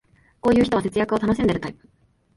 こういう人は節約を楽しんでるタイプ